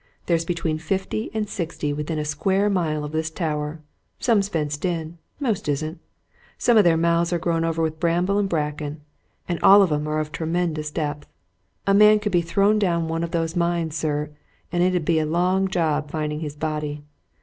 "There's between fifty and sixty within a square mile of this tower. Some's fenced in most isn't. Some of their mouths are grown over with bramble and bracken. And all of 'em are of tremendous depth. A man could be thrown down one of those mines, sir, and it 'ud be a long job finding his body!